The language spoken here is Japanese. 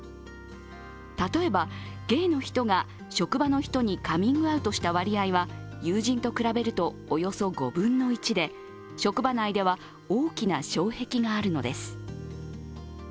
例えば、ゲイの人が職場の人にカミングアウトした割合は友人と比べると、およそ５分の１で職場内では大きな障壁があるのです。